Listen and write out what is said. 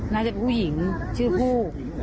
น่าจะผู้หญิงชื่อผู้